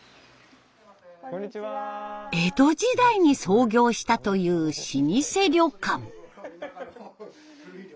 江戸時代に創業したという老舗旅館。